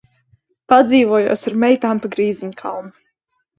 ... Padzīvojos ar meitām pa Grīziņkalnu.